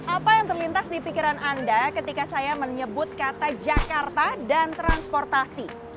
apa yang terlintas di pikiran anda ketika saya menyebut kata jakarta dan transportasi